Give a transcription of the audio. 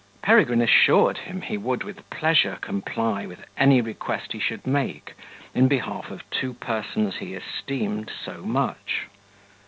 Peregrine assured him, he would with pleasure comply with any request he should make in behalf of two persons whom he esteemed so much.